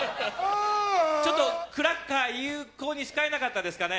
ちょっとクラッカーを有効に使えなかったですかね。